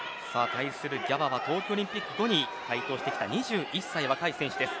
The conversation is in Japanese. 対するギャバは東京オリンピック後に台頭してきた２２歳の選手です。